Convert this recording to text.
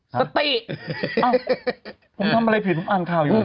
สติเอ้าผมทำอะไรผิดผมอ่านข่าวอยู่